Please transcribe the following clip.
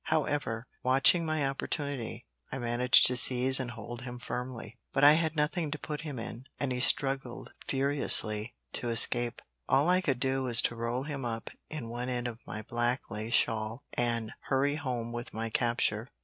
However, watching my opportunity, I managed to seize and hold him firmly; but I had nothing to put him in, and he struggled furiously to escape. All I could do was to roll him up in one end of my black lace shawl and hurry home with my capture.